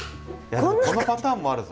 このパターンもあるぞ。